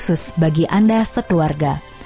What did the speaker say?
khusus bagi anda sekeluarga